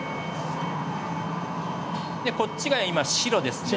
でこっちが今白ですね。